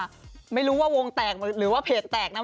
ไม่รู้ว่าวงแตกหรือว่าเพจแตกนะ